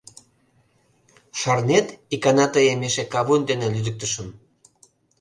Шарнет, икана тыйым эше кавун дене лӱдыктышым.